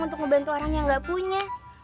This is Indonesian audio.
untuk membantu orang yang gak punya